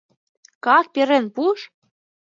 Ка-ак перен пуыш!..